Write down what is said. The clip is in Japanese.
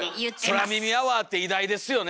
「空耳アワー」って偉大ですよね！